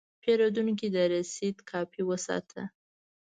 پیرودونکی د رسید کاپي وساته.